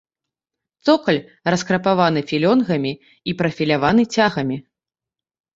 Цокаль раскрапаваны філёнгамі і прафіляваны цягамі.